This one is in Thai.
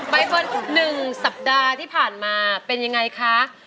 ไปบน๑สัปดาห์ที่ผ่านมาเป็นยังไงคะ